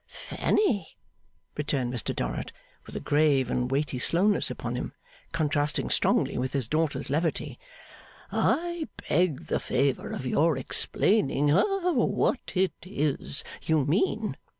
'Fanny,' returned Mr Dorrit, with a grave and weighty slowness upon him, contrasting strongly with his daughter's levity: 'I beg the favour of your explaining ha what it is you mean.